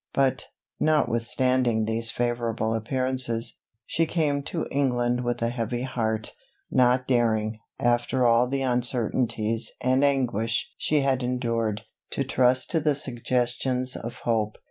But, notwithstanding these favourable appearances, she came to England with a heavy heart, not daring, after all the uncertainties and anguish she had endured, to trust to the suggestions of hope.